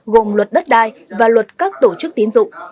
gồm luật đất đai và luật các tổ chức tín dụng